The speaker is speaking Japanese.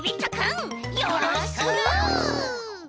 よろしく！